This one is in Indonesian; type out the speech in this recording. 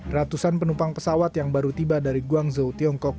ratusan penumpang pesawat yang baru tiba dari guangzhou tiongkok